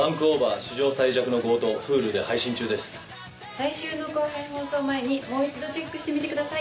来週の後編放送前にもう一度チェックしてみてください。